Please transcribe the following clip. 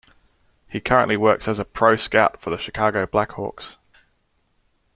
He currently works as a pro scout for the Chicago Blackhawks.